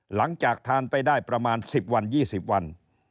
หลังจากทานไปได้ประมาณ๑๐วัน๒๐วัน